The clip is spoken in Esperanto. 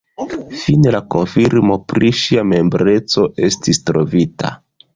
Fine la konfirmo pri ŝia membreco estis trovita.